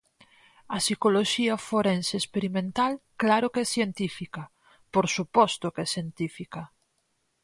A psicoloxía forense experimental claro que é científica, por suposto que é científica.